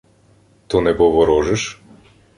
— То не поворожиш?